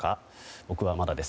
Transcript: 僕はまだです。